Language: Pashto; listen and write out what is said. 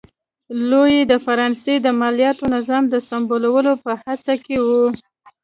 لويي د فرانسې د مالیاتي نظام د سمولو په هڅه کې و.